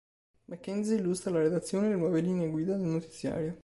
MacKenzie illustra alla redazione le nuove linee guida del notiziario.